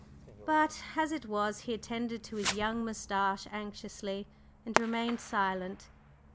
But as it was he attended to his young moustache anxiously and remained silent.